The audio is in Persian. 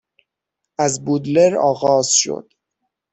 از بودلر آغاز شد